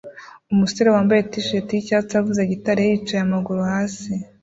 Umusore wambaye t-shati yicyatsi avuza gitari ye yicaye amaguru hasi